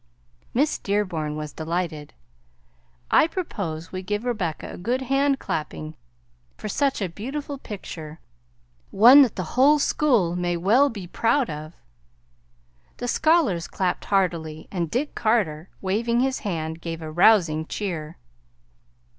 Miss Dearborn was delighted. "I propose we give Rebecca a good hand clapping for such a beautiful picture one that the whole school may well be proud of!" The scholars clapped heartily, and Dick Carter, waving his hand, gave a rousing cheer.